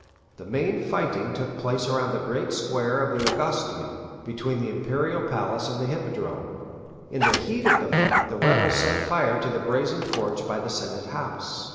The main fighting took place around the great square of the Augustaeum, between the Imperial palace and the Hippodrome. In the heat of the fight the rebels set fire to the Brazen Porch by the Senate House.